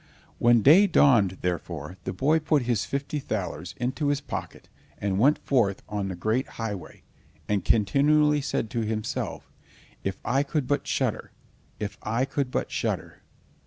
When day dawned, therefore, the boy put his fifty thalers into his pocket, and went forth on the great highway, and continually said to himself, "If I could but shudder! If I could but shudder!"